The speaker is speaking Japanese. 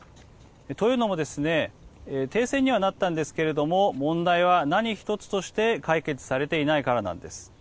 というのも停戦にはなったんですが問題は何一つとして解決されていないからなんです。